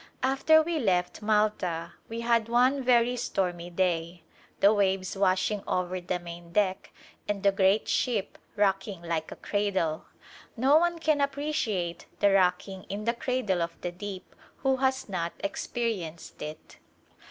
After we left Malta we had one ver^' stormy day, the waves washing over the main deck and the great ship rocking like a cradle. No one can appreciate the " rocking in the cradle of the deep " who has not experienced it.